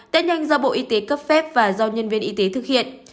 test nhanh do bộ y tế cấp phép và do nhân viên y tế thực hiện